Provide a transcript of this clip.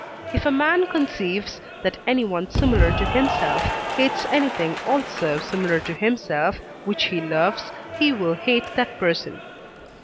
If a man conceives, that anyone similar to himself hates anything also similar to himself, which he loves, he will hate that person.